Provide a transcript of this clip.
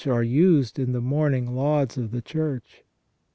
69 are used in the morning Lauds of the Church.